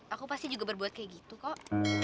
aku pasti juga berbuat kayak gitu kok